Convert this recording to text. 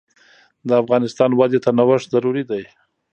د اقتصاد ودې ته نوښت ضروري دی.